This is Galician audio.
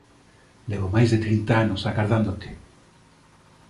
Levo máis de trinta anos agardándote".